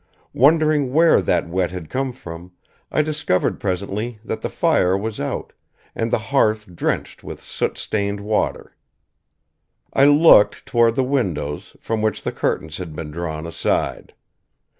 Wondering where that wet had come from, I discovered presently that the fire was out, and the hearth drenched with soot stained water. I looked toward the windows, from which the curtains had been drawn aside.